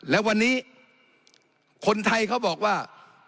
และวันนี้คนไทยเขาบอกว่า